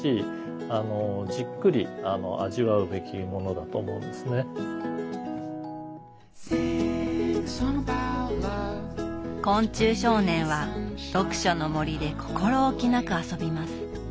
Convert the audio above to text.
だからやっぱり昆虫少年は読書の森で心おきなく遊びます。